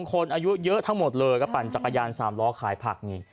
คนอายุเยอะทั้งหมดเลยก็ปั่นจักรยาน๓ล้อขายผักนี่